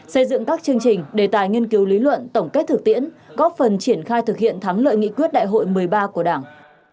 xây dựng các chương trình đề tài nghiên cứu lý luận tổng kết thực tiễn góp phần triển khai thực hiện thắng lợi nghị quyết đại hội một mươi ba của đảng